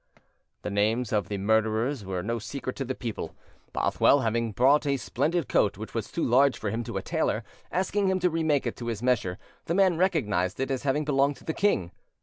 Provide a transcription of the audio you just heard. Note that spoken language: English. The names of the murderers were no secret to the people. Bothwell having brought a splendid coat which was too large for him to a tailor, asking him to remake it to his measure, the man recognised it as having belonged to the king.